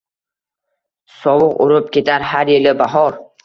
Sovuq urib ketar har yili bahor.